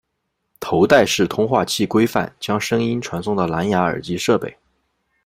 头戴式通话器规范将声音传送到蓝芽耳机设备。